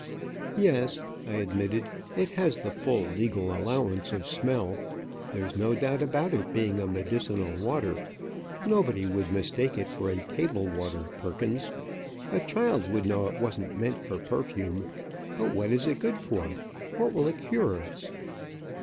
"Yes," I admitted, "it has the full legal allowance of smell. There's no doubt about it being a medicinal water. Nobody would mistake it for a table water, Perkins. A child would know it wasn't meant for perfume; but what is it good for? What will it cure?"